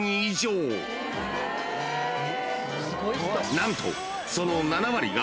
［何とその］